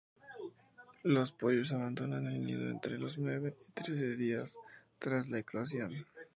Los pollos abandonan el nido entre los nueve a trece días tras la eclosión.